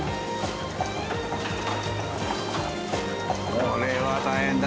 これは大変だ。